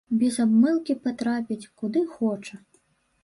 Без абмылкі патрапіць, куды хоча.